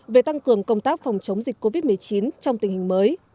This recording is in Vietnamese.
về tăng cường công tác phòng chống dịch covid một mươi chín trong tình hình mới